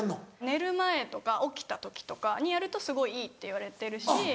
寝る前とか起きた時とかにやるとすごいいいっていわれてるし。